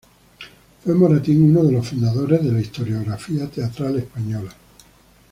Fue Moratín uno de los fundadores de la historiografía teatral española.